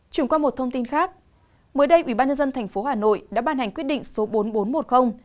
chuyển qua một thông tin khác mới đây ubnd tp hà nội đã ban hành quyết định số bốn nghìn bốn trăm một mươi